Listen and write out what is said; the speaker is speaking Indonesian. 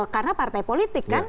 karena partai politik kan